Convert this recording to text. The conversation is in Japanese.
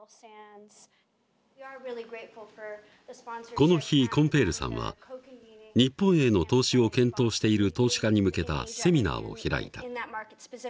この日コンペールさんは日本への投資を検討している投資家に向けたセミナーを開いた。